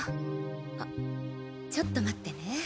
あっちょっと待ってね。